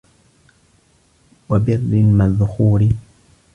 وَبِرٍّ مَذْخُورٍ